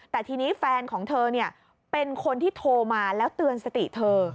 แต่ทีนี้แฟนของเธอเป็นคนที่โทรมาแล้วเตือนสติเธอ